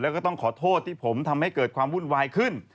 แล้วก็ต้องขอโทษที่ผมทำให้เกิดความวุ่นวายขึ้น